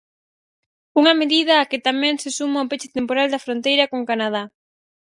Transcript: Unha medida á que tamén se suma o peche temporal da fronteira con Canadá.